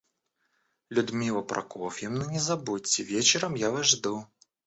Людмила Прокофьевна, не забудьте, вечером я Вас жду.